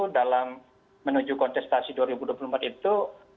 dalam menuju kontestasi dua ribu dua puluh empat itu